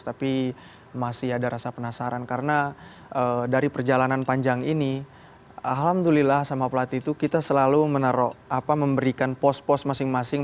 tapi masih ada rasa penasaran karena dari perjalanan panjang ini alhamdulillah sama pelatih itu kita selalu memberikan pos pos masing masing